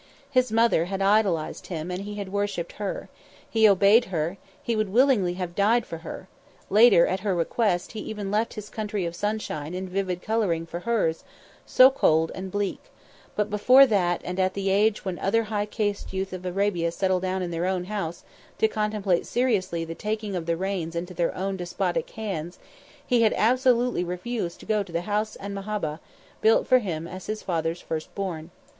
His mother had idolised him and he had worshipped her; he obeyed her, he would willingly have died for her; later, at her request, he even left his country of sunshine and vivid colouring for hers, so cold and bleak; but before that and at the age when other high caste youths of Arabia settle down in their own house to contemplate seriously the taking of the reins into their own despotic hands, he had absolutely refused to go to the House 'an Mahabbha, built for him as his father's first born.